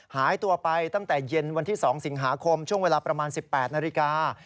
หายตัวไปตั้งแต่เย็นวันที่๒สิงหาคมช่วงเวลาประมาณ๑๘นาฬิกา